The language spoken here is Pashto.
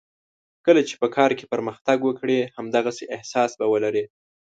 کله چې په کار کې پرمختګ وکړې همدغسې احساس به ولرې.